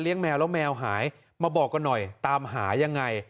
แมวแล้วแมวหายมาบอกกันหน่อยตามหายังไง